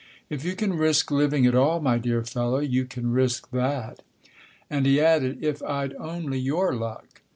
If you can risk living at all, my dear fellow, you can risk that." And he added " If I'd only your luck